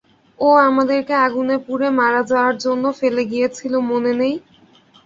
ও আমাদেরকে আগুনে পুড়ে মারা যাওয়ার জন্য ফেলে গিয়েছিল, মনে নেই?